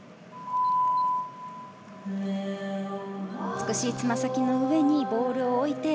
美しい爪先の上にボールを置いて